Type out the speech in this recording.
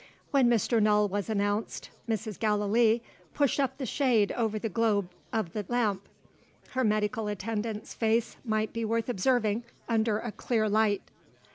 When Mr. Null was announced, Mrs. Gallilee pushed up the shade over the globe of the lamp. Her medical attendant's face might be worth observing, under a clear light.